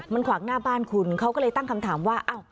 มันขวางหน้าบ้านคุณเขาก็เลยตั้งคำถามว่า